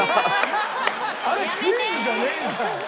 あれクイズじゃねえじゃん！